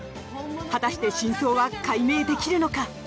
果たして真相は解明できるのか？